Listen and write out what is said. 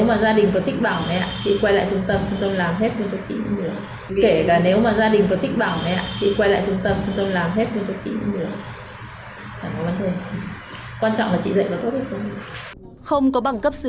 mai mai mai chuyển khoản tám trăm linh đây nhé